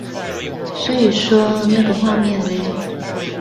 所以說那個畫面勒？